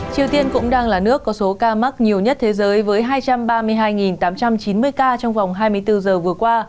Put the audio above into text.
triều tiên cũng đang là nước có số ca mắc nhiều nhất thế giới với hai trăm ba mươi hai tám trăm chín mươi ca trong vòng hai mươi bốn giờ vừa qua